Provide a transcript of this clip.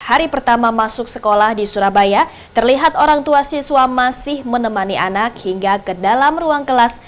hari pertama masuk sekolah di surabaya terlihat orang tua siswa masih menemani anak hingga ke dalam ruang kelas